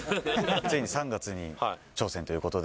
ついに３月に挑戦ということで。